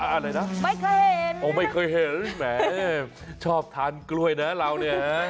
อะไรนะไม่เคยเห็นโอ้ไม่เคยเห็นแหมชอบทานกล้วยนะเราเนี่ย